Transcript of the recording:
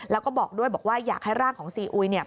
แล้วก็บอกด้วยบอกว่าอยากให้ร่างของซีอุยเนี่ย